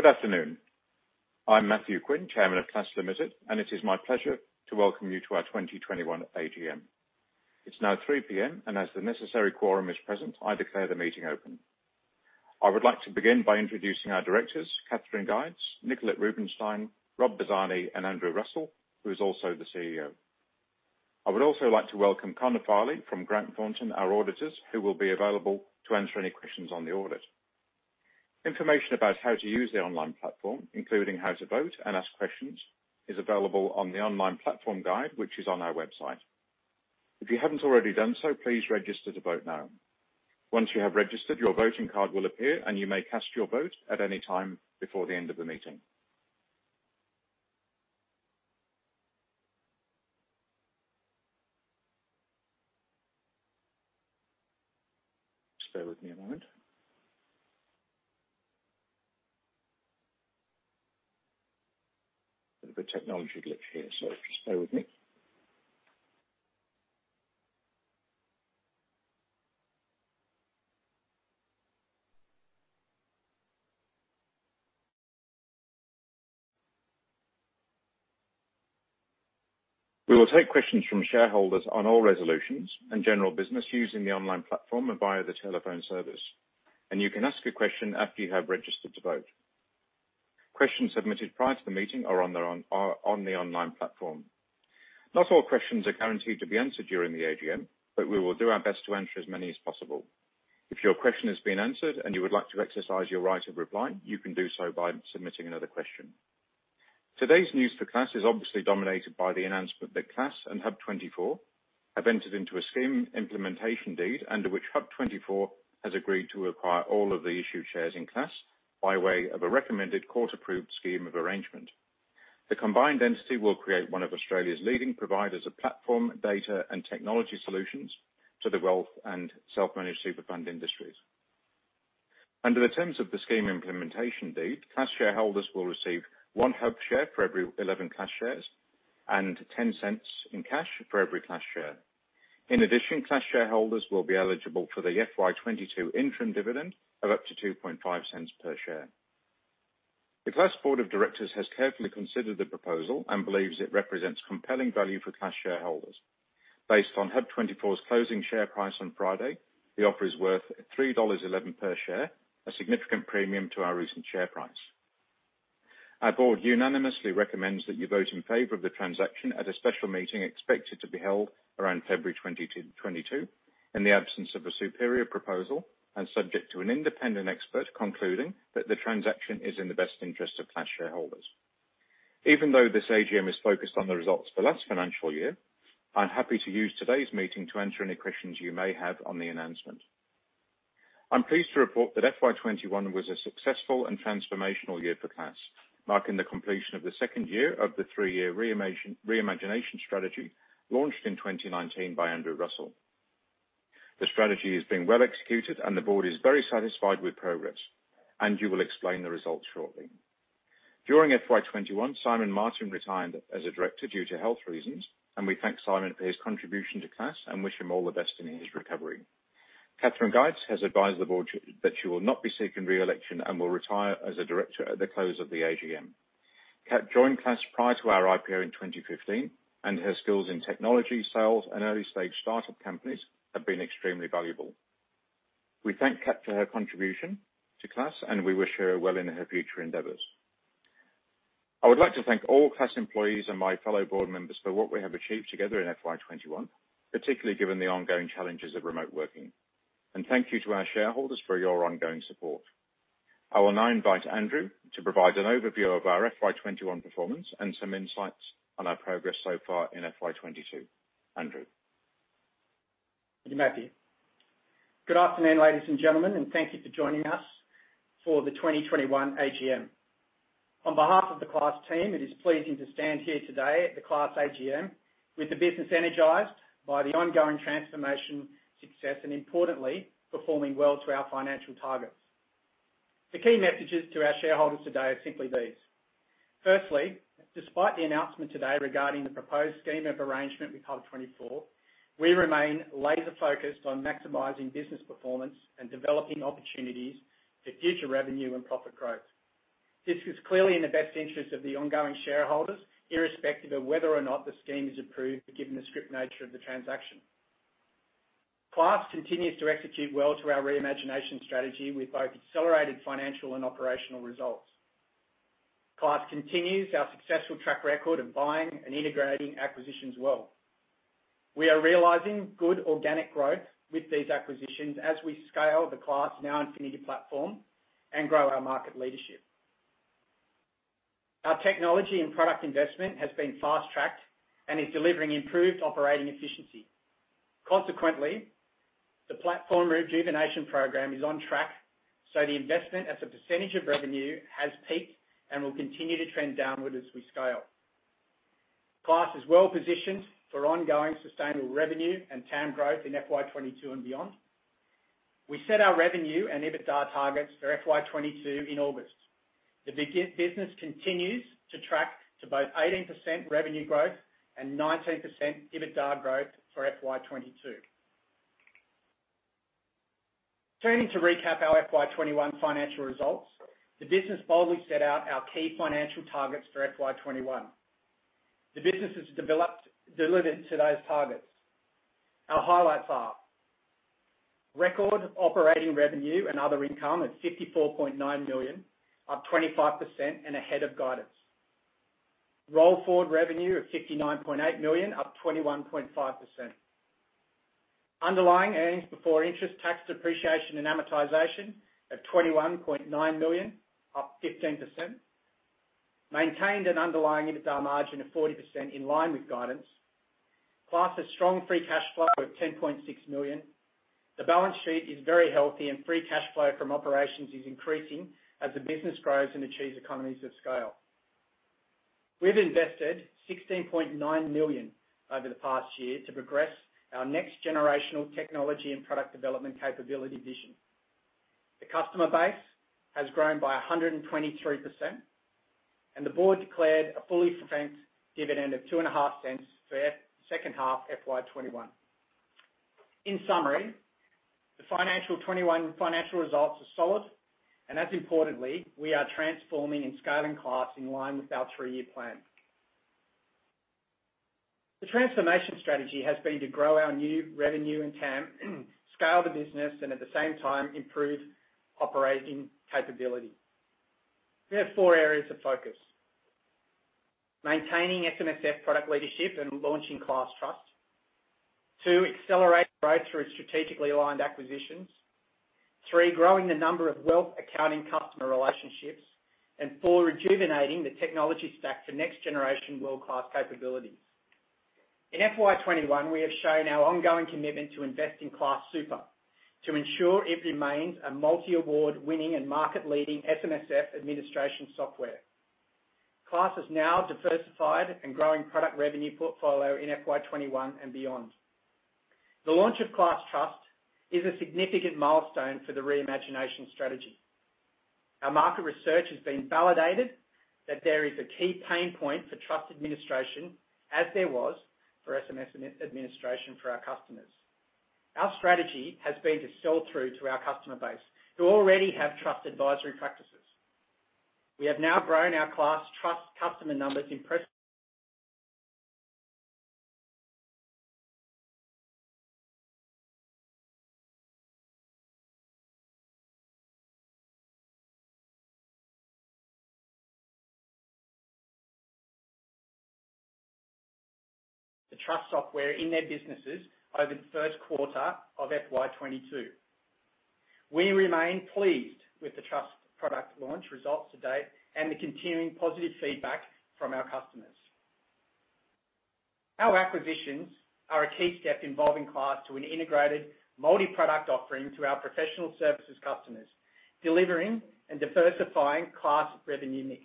Good afternoon. I'm Matthew Quinn, Chairman of Class Limited, and it is my pleasure to Welcome you to our 2021 AGM. It's now 3:00 P.M., and as the necessary quorum is present, I declare the meeting open. I would like to begin by introducing our directors, Catherine Guydes, Nicolette Rubinsztein, Rob Bazzani, and Andrew Russell, who is also the CEO. I would also like to welcome Conor Farley from Grant Thornton, our auditors, who will be available to answer any questions on the audit. Information about how to use the online platform, including how to vote and ask questions, is available on the online platform guide, which is on our website. If you haven't already done so, please register to vote now. Once you have registered, your voting card will appear, and you may cast your vote at any time before the end of the meeting. Bear with me a moment. Bit of a technology glitch here, so just bear with me. We will take questions from shareholders on all resolutions and general business using the online platform and via the telephone service. You can ask a question after you have registered to vote. Questions submitted prior to the meeting are on the online platform. Not all questions are guaranteed to be answered during the AGM, but we will do our best to answer as many as possible. If your question has been answered and you would like to exercise your right of reply, you can do so by submitting another question. Today's news for Class is obviously dominated by the announcement that Class and HUB24 have entered into a scheme implementation deed under which HUB24 has agreed to acquire all of the issued shares in Class by way of a recommended court-approved scheme of arrangement. The combined entity will create 1 of Australia's leading providers of platform, data, and technology solutions to the wealth and self-managed super fund industries. Under the terms of the scheme implementation deed, Class shareholders will receive 1 HUB24 share for every 11 Class shares and 0.10 in cash for every Class share. In addition, Class shareholders will be eligible for the FY22 interim dividend of up to 0.025 per share. The Class board of directors has carefully considered the proposal and believes it represents compelling value for Class shareholders. Based on HUB24's closing share price on Friday, the offer is worth 3.11 dollars per share, a significant premium to our recent share price. Our board unanimously recommends that you vote in favor of the transaction at a special meeting expected to be held around February 22, 2022, in the absence of a superior proposal and subject to an independent expert concluding that the transaction is in the best interest of Class shareholders. Even though this AGM is focused on the results for last financial year, I'm happy to use today's meeting to answer any questions you may have on the announcement. I'm pleased to report that FY 2021 was a successful and transformational year for Class, marking the completion of the second year of the 3-year Reimagination strategy launched in 2019 by Andrew Russell. The strategy is being well executed and the board is very satisfied with progress. You will explain the results shortly. During FY 2021, Simon Martin retired as a director due to health reasons. We thank Simon for his contribution to Class and wish him all the best in his recovery. Catherine Guydes has advised the board that she will not be seeking re-election and will retire as a director at the close of the AGM. Cat joined Class prior to our IPO in 2015. Her skills in technology, sales, and early-stage startup companies have been extremely valuable. We thank Cat for her contribution to Class. We wish her well in her future endeavors. I would like to thank all Class employees and my fellow board members for what we have achieved together in FY 2021, particularly given the ongoing challenges of remote working. Thank you to our shareholders for your ongoing support. I will now invite Andrew to provide an overview of our FY 2021 performance and some insights on our progress so far in FY 2022. Andrew. Thank you, Matthew. Good afternoon, ladies and gentlemen, and thank you for joining us for the 2021 AGM. On behalf of the Class team, it is pleasing to stand here today at the Class AGM with the business energized by the ongoing transformation success and importantly, performing well to our financial targets. The key messages to our shareholders today are simply these. Firstly, despite the announcement today regarding the proposed scheme of arrangement with HUB24, we remain laser-focused on maximizing business performance and developing opportunities for future revenue and profit growth. This is clearly in the best interest of the ongoing shareholders, irrespective of whether or not the scheme is approved given the script nature of the transaction. Class continues to execute well to our Reimagination strategy with both accelerated financial and operational results. Class continues our successful track record of buying and integrating acquisitions well. We are realizing good organic growth with these acquisitions as we scale the Class NowInfinity platform and grow our market leadership. Our technology and product investment has been fast-tracked and is delivering improved operating efficiency. Consequently, the platform rejuvenation program is on track, the investment as a percentage of revenue has peaked and will continue to trend downward as we scale. Class is well positioned for ongoing sustainable revenue and TAM growth in FY 2022 and beyond. We set our revenue and EBITDA targets for FY 2022 in August. The business continues to track to both 18% revenue growth and 19% EBITDA growth for FY 2022. Turning to recap our FY 2021 financial results. The business boldly set out our key financial targets for FY 2021. The business has delivered to those targets. Our highlights are: record operating revenue and other income of 54.9 million, up 25% and ahead of guidance. Roll forward revenue of 59.8 million, up 21.5%. Underlying earnings before interest, tax, depreciation and amortization at 21.9 million, up 15%. Maintained an underlying EBITDA margin of 40%, in line with guidance. Class has strong free cash flow of 10.6 million. The balance sheet is very healthy, and free cash flow from operations is increasing as the business grows and achieves economies of scale. We've invested 16.9 million over the past year to progress our next generational technology and product development capability vision. The customer base has grown by 123%, and the board declared a fully franked dividend of 0.025 for second half FY 2021. In summary, the financial 2021 financial results are solid, and as importantly, we are transforming and scaling Class in line with our three-year plan. The transformation strategy has been to grow our new revenue and TAM, scale the business, and at the same time improve operating capability. We have four areas of focus. Maintaining SMSF product leadership and launching Class Trust. 2. Accelerate growth through strategically aligned acquisitions. 3. Growing the number of wealth accounting customer relationships. 4. Rejuvenating the technology stack for next generation world-class capabilities. In FY 2021, we have shown our ongoing commitment to invest in Class Super to ensure it remains a multi-award winning and market leading SMSF administration software. Class has now diversified and growing product revenue portfolio in FY 2021 and beyond. The launch of Class Trust is a significant milestone for the Reimagination strategy. Our market research has been validated that there is a key pain point for trust administration, as there was for SMSF administration for our customers. Our strategy has been to sell through to our customer base, who already have trust advisory practices. We have now grown our Class Trust customer numbers, the trust software in their businesses over the first quarter of FY 2022. We remain pleased with the trust product launch results to date and the continuing positive feedback from our customers. Our acquisitions are a key step involving Class to an integrated multi-product offering to our professional services customers, delivering and diversifying Class revenue mix.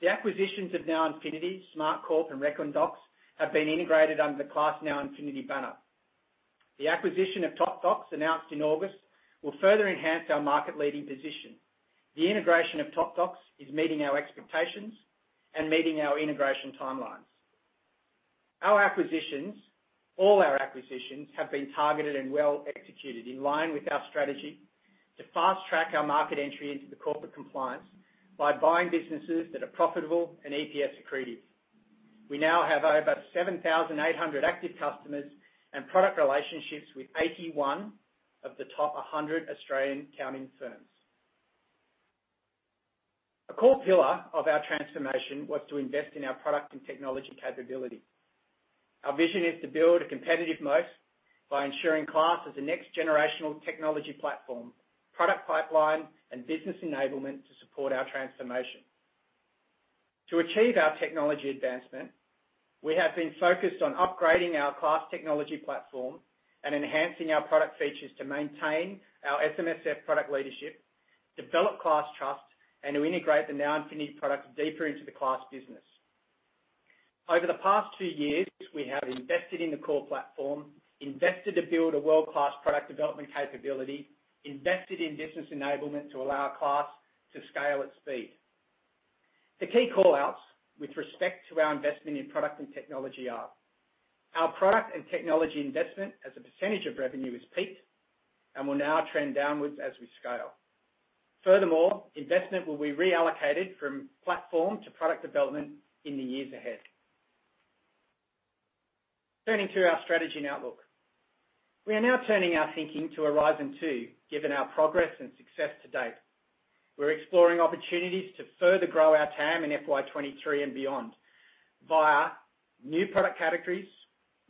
The acquisitions of NowInfinity, Smartcorp, and ReckonDocs have been integrated under the Class NowInfinity banner. The acquisition of Topdocs announced in August will further enhance our market leading position. The integration of Topdocs is meeting our expectations and meeting our integration timelines. Our acquisitions, all our acquisitions, have been targeted and well executed in line with our strategy to fast track our market entry into the corporate compliance by buying businesses that are profitable and EPS accretive. We now have over 7,800 active customers and product relationships with 81 of the top 100 Australian accounting firms. A core pillar of our transformation was to invest in our product and technology capability. Our vision is to build a competitive moat by ensuring Class is a next generational technology platform, product pipeline and business enablement to support our transformation. To achieve our technology advancement, we have been focused on upgrading our Class technology platform and enhancing our product features to maintain our SMSF product leadership, develop Class Trust, and to integrate the NowInfinity product deeper into the Class business. Over the past two years, we have invested in the core platform, invested to build a world-class product development capability, invested in business enablement to allow Class to scale at speed. The key call-outs with respect to our investment in product and technology are: our product and technology investment as a percentage of revenue is peaked and will now trend downwards as we scale. Furthermore, investment will be reallocated from platform to product development in the years ahead. Turning to our strategy and outlook. We are now turning our thinking to Horizon Two, given our progress and success to date. We're exploring opportunities to further grow our TAM in FY 2023 and beyond via new product categories,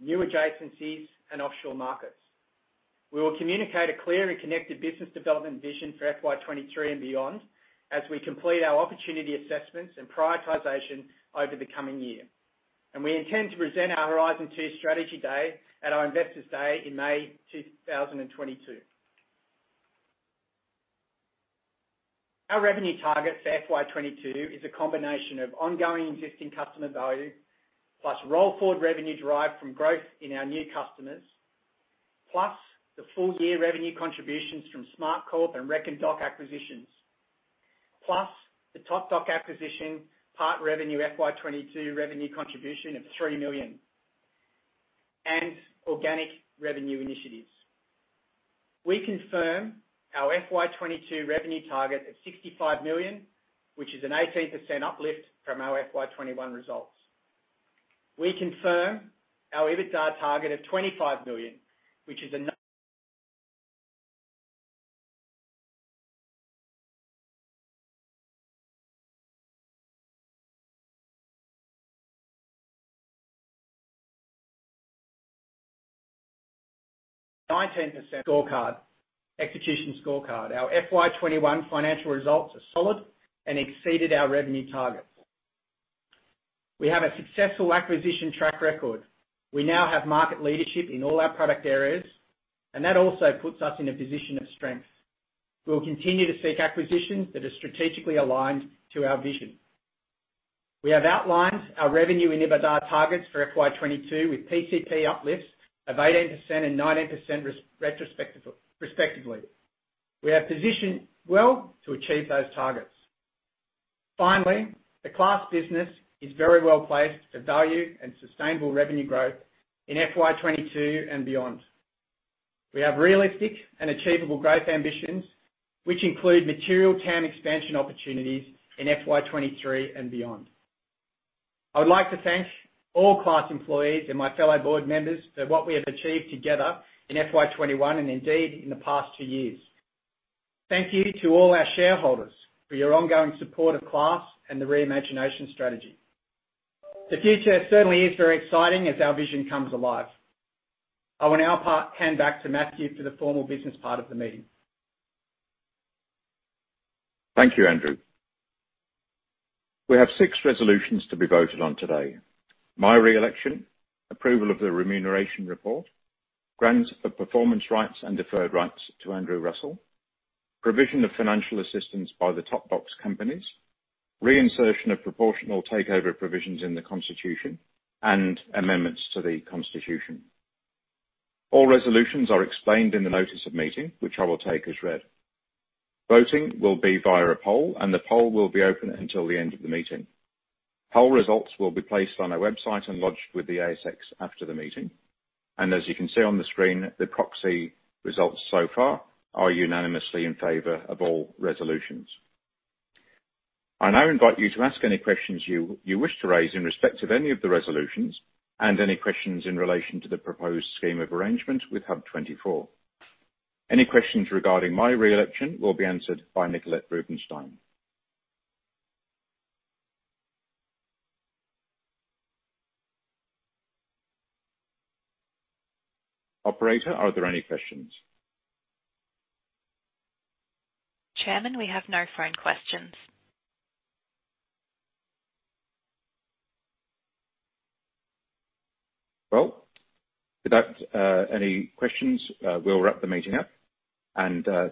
new adjacencies, and offshore markets. We will communicate a clear and connected business development vision for FY 2023 and beyond as we complete our opportunity assessments and prioritization over the coming year. We intend to present our Horizon Two strategy day at our Investors Day in May 2022. Our revenue target for FY 2022 is a combination of ongoing existing customer value, plus roll forward revenue derived from growth in our new customers, plus the full year revenue contributions from Smartcorp and ReckonDocs acquisitions. The Topdocs acquisition part revenue FY 2022 revenue contribution of 3 million and organic revenue initiatives. We confirm our FY 2022 revenue target of 65 million, which is an 18% uplift from our FY 2021 results. We confirm our EBITDA target of 25 million, which is a 19% execution scorecard. Our FY 2021 financial results are solid and exceeded our revenue targets. We have a successful acquisition track record. We now have market leadership in all our product areas, and that also puts us in a position of strength. We will continue to seek acquisitions that are strategically aligned to our vision. We have outlined our revenue and EBITDA targets for FY 2022 with PCP uplifts of 18% and 19% respectively. We are positioned well to achieve those targets. Finally, the Class business is very well-placed for value and sustainable revenue growth in FY 2022 and beyond. We have realistic and achievable growth ambitions, which include material TAM expansion opportunities in FY 2023 and beyond. I would like to thank all Class employees and my fellow board members for what we have achieved together in FY 2021 and indeed in the past two years. Thank you to all our shareholders for your ongoing support of Class and the Reimagination strategy. The future certainly is very exciting as our vision comes alive. I will now hand back to Matthew for the formal business part of the meeting. Thank you, Andrew. We have six resolutions to be voted on today. My re-election, approval of the remuneration report, grant of performance rights and deferred rights to Andrew Russell, provision of financial assistance by the Topdocs companies, reinsertion of proportional takeover provisions in the constitution, and amendments to the constitution. All resolutions are explained in the notice of meeting, which I will take as read. Voting will be via a poll, the poll will be open until the end of the meeting. Poll results will be placed on our website and lodged with the ASX after the meeting. As you can see on the screen, the proxy results so far are unanimously in favor of all resolutions. I now invite you to ask any questions you wish to raise in respect of any of the resolutions and any questions in relation to the proposed scheme of arrangement with HUB24. Any questions regarding my re-election will be answered by Nicolette Rubinsztein. Operator, are there any questions? Chairman, we have no phone questions. Without any questions, we'll wrap the meeting up.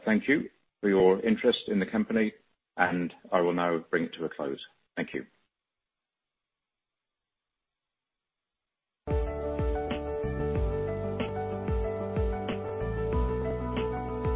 Thank you for your interest in the company, and I will now bring it to a close. Thank you.